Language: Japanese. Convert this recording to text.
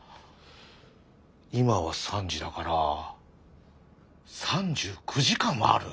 今は３時だから３９時間はある。